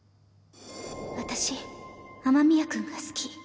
私雨宮君が好き。